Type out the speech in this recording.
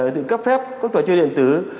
sự cấp phép các tòa chơi điện tử